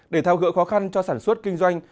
để thao gỡ khó khăn cho sản xuất kinh doanh